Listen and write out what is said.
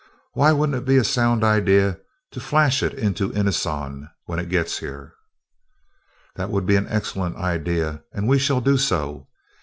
Why wouldn't it be a sound idea to flash it into inoson when it gets here?" "That would be an excellent idea, and we shall do so.